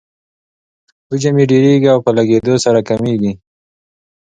حجم یې ډیریږي او په لږیدو سره کمیږي.